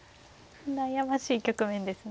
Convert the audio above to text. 悩ましい局面ですね。